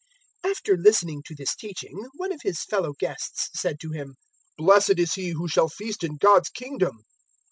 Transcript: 014:015 After listening to this teaching, one of His fellow guests said to Him, "Blessed is he who shall feast in God's Kingdom."